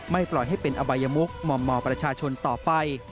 ปล่อยให้เป็นอบายมุกมอมประชาชนต่อไป